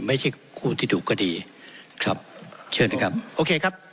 ไม่ใช่คู่ที่ดุก็ดีครับเชิญนะครับโอเคครับ